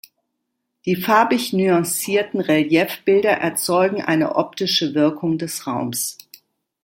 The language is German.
Die farbig nuancierten Reliefbilder erzeugen eine optische Wirkung des Raumes.